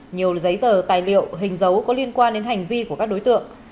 nhiều giấy tờ tài liệu hình dấu có liên quan đến hành vi của các đối tượng